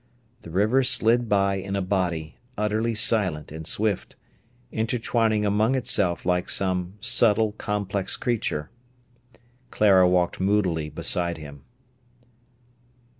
The river slid by in a body, utterly silent and swift, intertwining among itself like some subtle, complex creature. Clara walked moodily beside him.